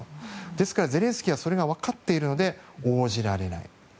ですから、ゼレンスキー大統領はそれがわかっているので応じられない。